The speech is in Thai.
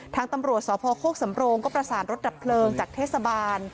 ทางตำรวจสพโคกสำโรงก็ประสานรถดับเพลิงจากเทศบาล